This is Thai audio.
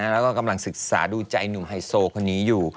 แล้วก็กำลังศึกษาดูใจหนุ่มไฮโซคนนี้อยู่